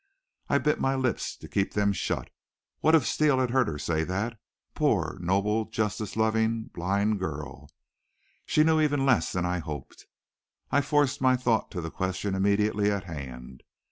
I bit my lips to keep them shut. What if Steele had heard her say that? Poor, noble, justice loving, blind girl! She knew even less than I hoped. I forced my thought to the question immediately at hand.